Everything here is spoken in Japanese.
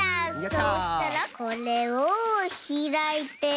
そしたらこれをひらいて。